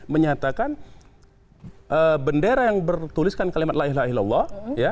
menyatakan bendera yang bertuliskan kalimat la ilaha illallah